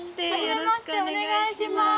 よろしくお願いします。